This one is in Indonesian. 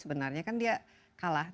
sebenarnya kan dia kalah